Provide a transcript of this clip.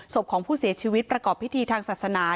ศพของผู้เสียชีวิตประกอบพิธีทางศาสนา